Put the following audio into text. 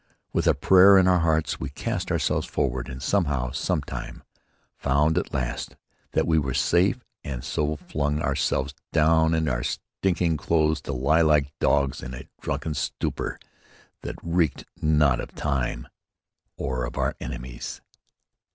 With a prayer in our hearts we cast ourselves forward and somehow, sometime, found at last that we were safe and so flung ourselves down in our stinking clothes to lie like dogs in a drunken stupour that recked not of time or of our enemies.